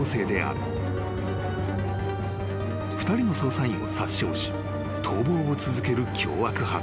［２人の捜査員を殺傷し逃亡を続ける凶悪犯］